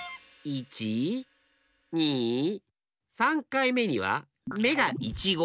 １２３かいめにはめがいちご。